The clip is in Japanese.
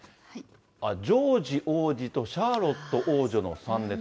ジョージ王子とシャーロット王女の参列。